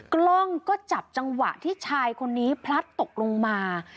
กล้องก็จับจังหวะที่ชายคนนี้พลัดตกลงมา